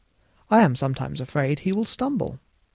I am sometimes afraid he will stumble."